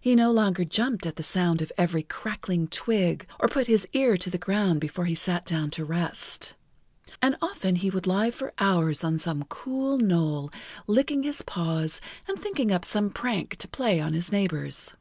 He no longer jumped at the sound of every crackling twig or put his ear to the ground before he sat down to rest, and often he would lie for hours on some cool knoll licking his paws and thinking up some prank to play on his neighbors.